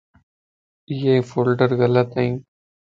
ايي ڦولدار گلدانن